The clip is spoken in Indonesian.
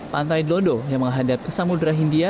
pantai delodo yang menghadap ke samudera hindi